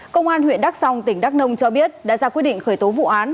công an huyện đắc song tỉnh đắc nông cho biết đã ra quyết định khởi tố vụ án